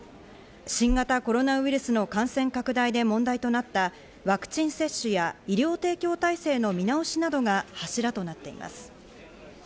新型コロナウイルスの感染拡大で問題となったワクチン接種や医療提供体制の見直しなどが柱となっています。